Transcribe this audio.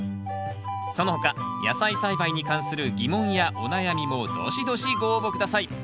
その他野菜栽培に関する疑問やお悩みもどしどしご応募下さい。